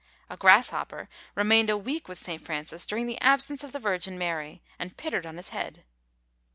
A grasshopper remained a week with St. Francis during the absence of the Virgin Mary, and pittered on his head.